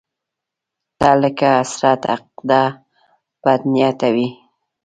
ته لکه حسرت، عقده، بدنيته وې